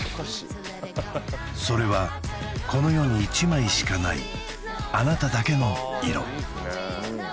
それはこの世に１枚しかないあなただけの色